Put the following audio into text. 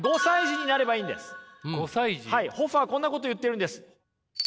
ズバリホッファーはこんなこと言っているんです。